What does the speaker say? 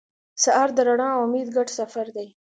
سهار د رڼا او امید ګډ سفر دی.